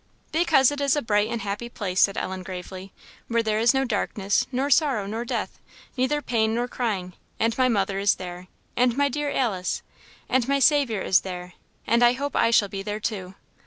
"Because it is a bright and happy place," said Ellen, gravely, "where there is no darkness, nor sorrow, nor death, neither pain nor crying; and my mother is there, and my dear Alice, and my Saviour is there; and I hope I shall be there too."